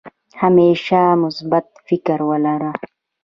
همېشه مثبت فکر ولره